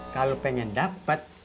kalau pengen dapet